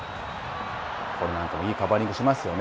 これなんかもいいカバーリングをしますよね。